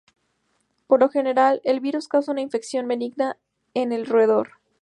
Por lo general, el virus causa una infección benigna en el roedor.